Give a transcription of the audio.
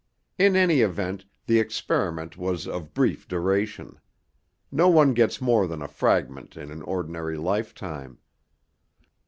In any event the experiment was of brief duration. No one gets more than a fragment in an ordinary lifetime."